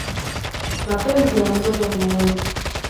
Mapenzi yanamgota moyo